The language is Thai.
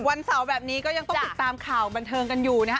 วันเสาร์แบบนี้ก็ยังต้องติดตามข่าวบันเทิงกันอยู่นะฮะ